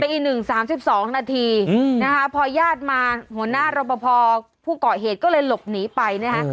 ตีหนึ่งสามสิบสองนาทีนะคะพอญาติมาหัวหน้ารับประพอผู้เกาะเหตุก็เลยหลบหนีไปนะคะ